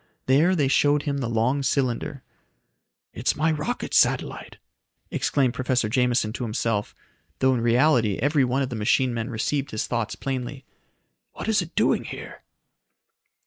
There they showed him the long cylinder. "It's my rocket satellite!" exclaimed Professor Jameson to himself, though in reality every one of the machine men received his thoughts plainly. "What is it doing here?"